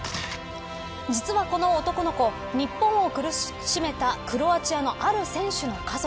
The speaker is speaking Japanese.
実は、この男の子日本を苦しめたクロアチアのある選手の家族。